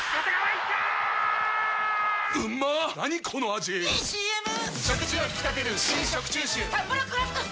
⁉いいＣＭ！！